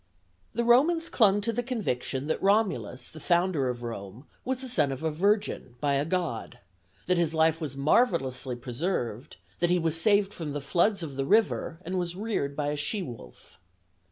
The Romans clung to the conviction that Romulus, the founder of Rome, was the son of a virgin by a god, that his life was marvellously preserved, that he was saved from the floods of the river and was reared by a she wolf.